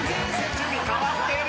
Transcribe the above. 趣味変わってる！